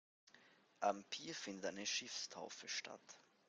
Am Pier findet eine Schiffstaufe statt.